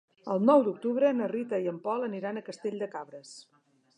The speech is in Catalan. El nou d'octubre na Rita i en Pol aniran a Castell de Cabres.